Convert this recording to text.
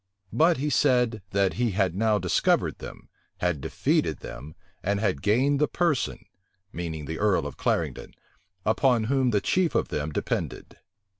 But he said, that he had now discovered them, had defeated them, and had gained the person, meaning the earl of Clarendon, upon whom the chief of them depended.